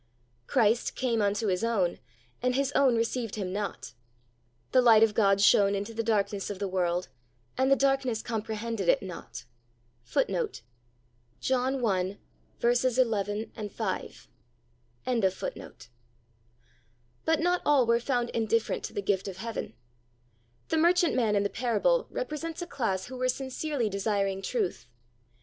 Christ "came unto His own, and His own received Him not." The light of God shone into the darkness of the world, and "the darkness comprehended it not."^ But not all were found indifferent to the gift of heaven. The merchantman in the parable represents a class who were sincerely desiring truth.